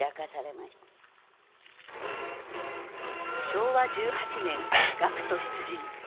昭和１８年学徒出陣。